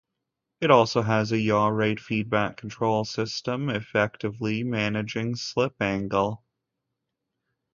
It also has a yaw-rate feedback control system, effectively managing slip angle.